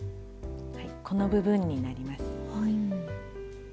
この部分になります。